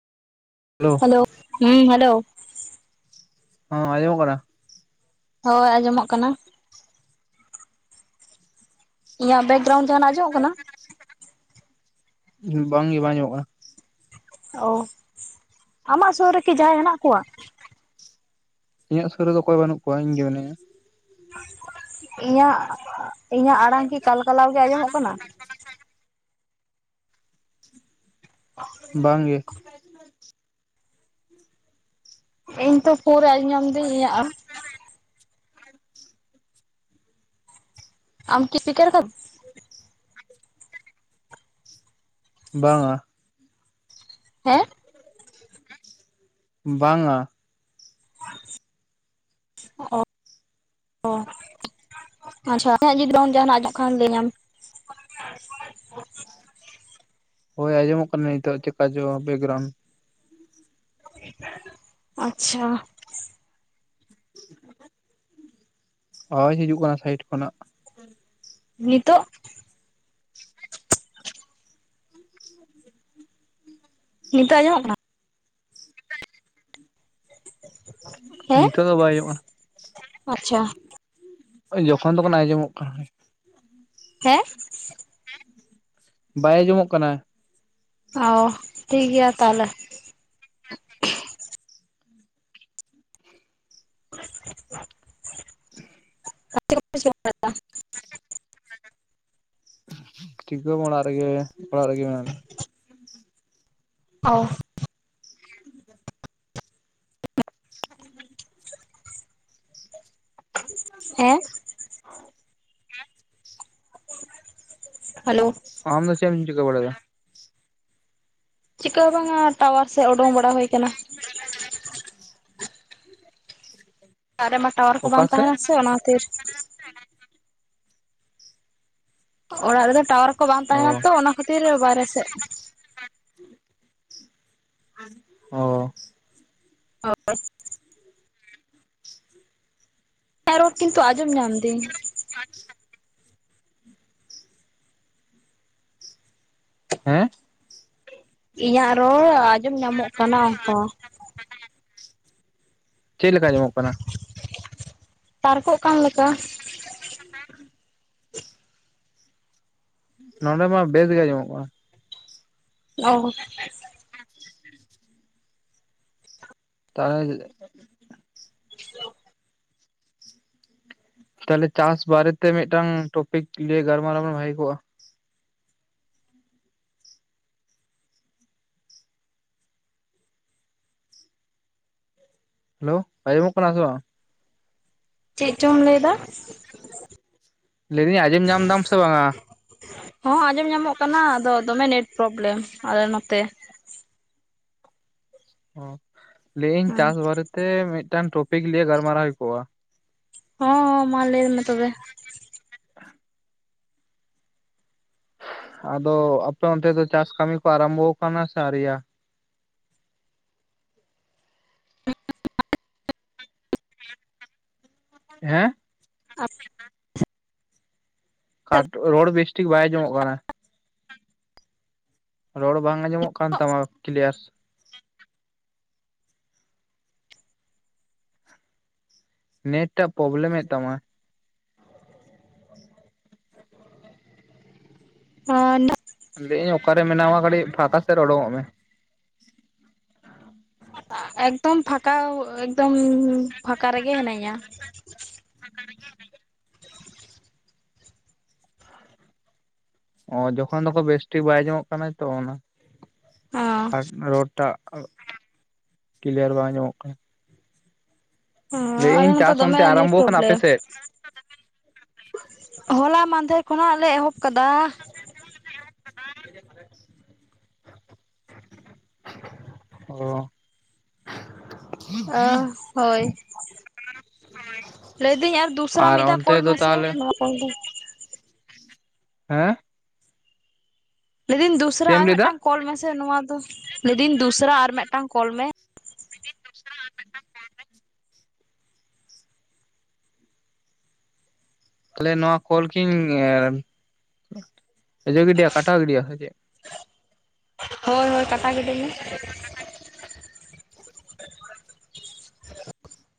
Hello ᱞᱳ ᱦᱩᱸ hello. ᱦᱚᱸ ᱟᱸᱡᱚᱢᱚᱜ ᱠᱟᱱᱟ? ᱦᱳᱭ ᱟᱸᱡᱚᱢᱚᱜ ᱠᱟᱱᱟ ᱾ ᱤᱧᱟᱹᱜ ᱵᱮᱠᱜᱨᱟᱣᱩᱱᱰ ᱡᱟᱸᱦᱟ ᱱᱟᱜ ᱟᱸᱡᱚᱢᱚᱜ ᱠᱟᱱᱟ? ᱵᱟᱝ ᱜᱮ ᱵᱟᱝ ᱟᱸᱡᱚᱢᱚᱜ ᱠᱟᱱᱟ ᱾ ᱚ ᱟᱢᱟᱜ ᱥᱳᱨ ᱨᱮᱠᱤ ᱡᱟᱸᱦᱟᱭ ᱦᱮᱱᱟᱜ ᱠᱚᱣᱟ? ᱤᱧᱟᱹᱜ ᱥᱳᱨ ᱨᱮᱫᱚ ᱚᱠᱚᱭ ᱦᱚ ᱵᱟᱹᱱᱩᱜ ᱠᱚᱣᱟ ᱤᱧ ᱜᱮ ᱢᱮᱱᱟᱧᱟ ᱾ ᱤᱧᱟᱹᱜ ᱤᱧᱟᱹᱜ ᱟᱲᱟᱝ ᱠᱤ ᱠᱟᱞᱠᱟᱞᱟᱣ ᱜᱮ ᱟᱸᱡᱚᱢᱚᱜ ᱠᱟᱱᱟ? [unintelligible] ᱵᱟᱝ ᱜᱮ ᱾ [unintelligible] ᱤᱧ ᱛᱚ ᱯᱷᱳᱱ ᱟᱸᱡᱚᱢ ᱫᱟᱹᱧ ᱤᱧᱟᱹᱜ ᱟᱲᱟᱝ ᱟᱢ ᱠᱤ ᱯᱤᱠᱟᱨ ᱠᱟᱫᱟ? ᱵᱟᱝ-ᱟ ᱾ ᱦᱮᱸ ᱵᱟᱝ-ᱟ ᱾ ᱚᱜ [inaudible] ᱞᱟᱹᱭᱟᱹᱢ᱾ ᱦᱳᱭ ᱟᱸᱡᱚᱢᱚᱜ ᱠᱟᱱᱟ ᱱᱤᱛᱳᱜ ᱪᱮᱠᱟ ᱪᱚ ᱵᱮᱠᱜᱨᱟᱣᱩᱱᱰ ᱾ ᱟᱪᱪᱷᱟ [inaudible] ᱟᱣᱟᱡᱽ ᱦᱤᱡᱩᱜ ᱠᱟᱱᱟ ᱥᱟᱭᱤᱰ ᱠᱷᱚᱱᱟᱜ ᱾ ᱱᱤᱛᱳᱜ? ᱱᱤᱛᱳᱜ ᱟᱸᱡᱚᱢᱚᱜ ᱠᱟᱱᱟ? [inaudible] [inaudible] ᱱᱤᱛᱚᱜ ᱫᱚ ᱵᱟᱭ ᱚᱡᱚᱢᱚᱜ-ᱟ᱾ ᱟᱪᱪᱷᱟ ᱡᱚᱠᱷᱚᱱ ᱫᱚᱠᱷᱚᱱ ᱟᱸᱡᱚᱢᱚᱜ ᱠᱟᱱᱟ ᱦᱮᱸ ᱵᱟᱭ ᱟᱸᱡᱚᱢᱚᱜ ᱠᱟᱱᱟ ᱚ ᱴᱷᱤᱠᱜᱮᱭᱟ ᱛᱟᱦᱚᱞᱮ [unintelligible] [unintelligible] [inaudible] ᱪᱤᱠᱟ ᱵᱟ ᱚᱲᱟᱜ ᱨᱮᱜᱮ ᱚᱲᱟᱜ ᱨᱮᱜᱮ ᱢᱮᱱᱟ ᱞᱤᱧᱟ᱾ [inaudible] ᱚᱻ ᱦᱮᱸ ᱦᱮᱞᱳ᱾ ᱟᱢ ᱫᱚ ᱪᱮᱢ ᱪᱤᱠᱟ ᱵᱟᱰᱟᱭ ᱭᱟ? ᱪᱤᱠᱟ ᱦᱚ ᱵᱟᱝ-ᱟ ᱴᱟᱣᱟᱨ ᱥᱮ ᱚᱰᱚᱝ ᱵᱟᱲᱟ ᱦᱩᱭ ᱠᱟᱱᱟ᱾ ᱚᱨᱟ ᱨᱮᱢᱟ ᱴᱟᱣᱟᱨ ᱠᱚ ᱚᱠᱟ ᱵᱟᱝ ᱥᱮᱫ ᱛᱟᱦᱮᱱᱟ ᱥᱮ ᱚᱱᱟ ᱛᱤᱨ᱾ ᱚᱲᱟᱜ ᱨᱮᱫᱚ ᱴᱟᱣᱟᱨ ᱠᱚ ᱵᱟᱝ ᱚ ᱛᱟᱦᱮᱱᱟ ᱛᱚ ᱚᱱᱟ ᱠᱷᱟᱛᱤᱨ ᱵᱟᱨᱦᱮ ᱥᱮ᱾ ᱚ᱾ ᱦᱚ ᱩᱪ᱾ ᱤᱧᱟᱜ ᱨᱚᱲ ᱠᱤᱱᱛᱩ ᱟᱡᱚᱢ ᱧᱟᱢ ᱫᱤᱱ᱾ ᱟᱪᱪᱷᱟ ᱴᱤᱠ ᱾ ᱦᱮᱸ᱾ ᱤᱧᱟᱹᱜ ᱨᱚᱲ ᱟᱸᱡᱚᱢ ᱧᱟᱢᱚᱜ ᱠᱟᱱᱟ ᱚᱝᱠᱟ᱾ ᱪᱮᱫ ᱞᱮᱠᱟ ᱟᱡᱚᱢᱚᱜ ᱠᱟᱱᱟ? ᱛᱟᱨᱠᱚᱜ ᱠᱟᱱ ᱞᱮᱠᱟ᱾ [inaudible] ᱱᱚᱰᱮ ᱢᱟ ᱵᱮᱥ ᱜᱮ ᱟᱡᱚᱢᱚᱜ ᱠᱟᱱᱟ᱾ ᱚᱻ ᱛᱟᱞᱦᱮ [inaudible] ᱛᱟᱦᱚᱞᱮ ᱪᱟᱥ ᱵᱟᱨᱮᱛᱮ ᱢᱤᱫᱴᱟᱝ ᱴᱚᱯᱤᱠ ᱞᱤᱭ ᱜᱟᱞᱢᱟᱨᱟᱣ ᱵᱷᱟᱹᱜᱤ ᱠᱚᱜᱼᱟ᱾ ᱦᱮᱞᱳ ᱟᱡᱚᱢᱚᱜ ᱠᱟᱱᱟ ᱥᱮ ᱵᱟᱝ? ᱪᱮᱫ ᱪᱚᱢ ᱞᱟᱹᱭ ᱫᱟ? ᱞᱟᱹᱭ ᱫᱟᱧ ᱟᱸᱡᱚᱢ ᱧᱟᱢ ᱫᱟᱢ ᱥᱮ ᱵᱟᱝ ᱟ? ᱦᱚᱸ ᱟᱸᱡᱚᱢ ᱧᱟᱢᱚᱜ ᱠᱟᱱᱟ ᱟᱫᱚ ᱫᱚᱢᱮ ᱱᱮᱴ ᱯᱨᱚᱵᱞᱮᱢ ᱟᱞᱮ ᱱᱚᱛᱮ᱾ ᱚ ᱞᱟᱹᱭᱟᱹᱧ ᱦᱮᱸ ᱪᱟᱥ ᱵᱟᱨᱮᱛᱮ ᱢᱤᱫᱴᱟᱝ ᱴᱚᱯᱤᱠ ᱞᱤᱭᱮ ᱜᱟᱞᱢᱟᱨᱟᱣ ᱦᱩᱭ ᱠᱚᱜᱼᱟ᱾ ᱦᱚᱸ ᱦᱚᱸ ᱢᱟ ᱞᱟᱹᱭ ᱢᱮ ᱛᱚᱵᱮ᱾ ᱟᱫᱚ ᱟᱯᱮ ᱚᱱᱛᱮ ᱫᱚ ᱪᱟᱥ ᱠᱟᱹᱢᱤ ᱠᱚ ᱟᱨᱟᱢᱵᱷᱚ ᱟᱠᱟᱱᱟ ᱥᱮ ᱟᱣᱨᱤᱭᱟ᱾ ᱦᱮᱸ ᱟᱵ ᱠᱟᱴ ᱨᱚᱲ ᱵᱮᱥᱴᱷᱤᱠ ᱵᱟᱭ ᱟᱡᱚᱢᱚᱜ ᱠᱟᱱᱟ᱾ ᱨᱚᱲ ᱵᱟᱝ ᱟᱸᱡᱚᱢᱚᱜ ᱠᱟᱱ ᱛᱟᱢᱟ ᱠᱞᱤᱭᱟᱨ᱾ ᱱᱮᱴ ᱴᱟᱜ ᱯᱨᱚᱵᱞᱮᱢ ᱮ ᱛᱟᱢᱟ᱾ [inaudible] ᱦᱟ ᱱᱟᱜ ᱞᱟᱹᱭᱟᱹᱧ ᱚᱠᱟᱨᱮ ᱢᱮᱱᱟᱢᱟ ᱠᱟᱹᱴᱤᱡ ᱯᱷᱟᱸᱠᱟ ᱥᱮᱫ ᱩᱰᱠᱚᱜ ᱢᱮ᱾ ᱮᱠᱫᱚᱢ ᱯᱷᱟᱸᱠᱟ ᱮᱠᱫᱚᱢ ᱯᱷᱟᱠᱟ ᱨᱮᱜᱮ ᱦᱮᱱᱟᱹᱧᱟ᱾ ᱯᱷᱟᱸᱠᱟ ᱨᱮᱜᱮ ᱦᱮᱱᱟᱧᱟ ᱾ ᱚ ᱡᱚᱠᱷᱚᱱ ᱫᱚᱠᱷ ᱵᱮᱥ ᱴᱷᱤᱠ ᱵᱟᱭ ᱟᱡᱚᱢᱚᱜ ᱠᱟᱱᱟ ᱛᱚ ᱚᱱᱟ ᱦᱚᱸ ᱠᱟᱴ ᱨᱳᱰ᱾ ᱴᱟᱜ ᱠᱞᱤᱭᱟᱨ ᱵᱟᱝ ᱟᱡᱚᱢᱚᱜ ᱠᱟᱱᱟ᱾ ᱦᱚᱸᱻ ᱟᱞᱮ ᱞᱟᱹᱭᱮᱜ-ᱟᱹᱧ ᱢᱚᱛᱮ ᱪᱟᱥ ᱫᱚᱢᱮ ᱚᱱᱛᱮ ᱱᱮᱴ ᱟᱨᱟᱢᱵᱚ ᱠᱟᱱᱟ ᱟᱯᱮ ᱯᱨᱚᱵᱮᱞᱮᱢ᱾ ᱥᱮᱫ? ᱦᱚᱞᱟ ᱢᱟᱦᱫᱷᱮᱨ ᱠᱷᱚᱱᱟᱜ ᱞᱮ ᱮᱦᱚᱵ ᱠᱟᱫᱟ᱾ ᱱᱟᱭᱟᱥ ᱫᱚ ᱵᱟᱝ, ᱴᱷᱤᱠ ᱜᱮᱭᱟ ᱛᱟᱦᱚᱞᱮ ᱾ ᱚ ᱚ ᱦᱳᱭ᱾ ᱞᱟᱹᱭᱫᱟᱹᱧ ᱟᱨ ᱫᱩᱥᱨᱟ ᱢᱤᱫ ᱫᱷᱟᱣ ᱚᱱᱛᱮ ᱠᱚᱞ ᱫᱚ ᱢᱮᱥᱮ ᱛᱟᱦᱚᱞᱮ ᱱᱚᱣᱟ ᱠᱚᱞ ᱫᱚ ᱦᱮᱸ? ᱞᱟᱹᱭ ᱫᱟᱧ ᱫᱩᱥᱨᱟ ᱪᱮᱫ ᱮᱢ ᱟᱨ ᱞᱟᱹᱭᱫᱟ? ᱢᱤᱫᱴᱟᱝ ᱠᱚᱞ ᱢᱮᱥᱮ ᱱᱚᱣᱟ ᱫᱚ ᱞᱟᱹᱭᱫᱟᱧ ᱫᱩᱥᱨᱟ ᱟᱨ ᱢᱤᱫᱴᱟᱝ ᱠᱚᱞ ᱢᱮ ᱾ [inaudible] ᱛᱟᱦᱚᱞᱮ ᱱᱚᱣᱟ ᱠᱚᱞ ᱠᱤᱧ ᱤᱭᱟᱹ ᱜᱤᱰᱤᱭᱟ ᱠᱟᱴᱟᱣ ᱜᱤᱰᱤᱭᱟ ᱥᱮ ᱪᱮᱫ? ᱦᱳᱭ ᱦᱳᱭ ᱠᱟᱴᱟ ᱜᱤᱰᱤ ᱢᱮ ᱾ [inaudible]